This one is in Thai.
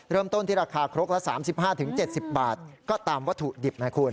เริ่มต้นที่ราคาตามธุ์ดิบ